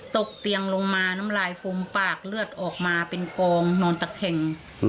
ตกเตียงลงมาน้ำลายฟูมปากเลือดออกมาเป็นกองนอนตะแคง